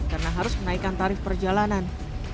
karena harus menaikkan tarif perjalanan